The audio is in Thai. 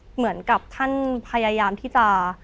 เหมือนกับท่านพยายามที่จะ